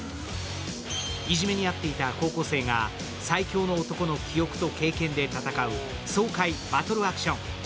いじめに遭っていた高校生が最強の男の記憶と経験で戦う爽快バトルアクション。